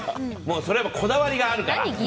それはこだわりがあるから。